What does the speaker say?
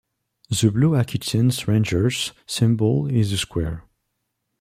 The Blue Aquitian Ranger's symbol is the square.